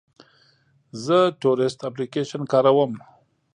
زه تورسټ اپلیکیشن کاروم.